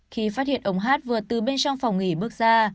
khi phát hiện ống hát vừa từ bên trong phòng nghỉ bước ra